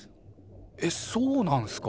えっそうなんすか？